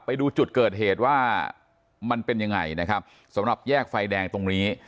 ไปดูจุดเกิดเหตุว่ามันเป็นยังไงนะครับสำหรับแยกไฟแดงตรงนี้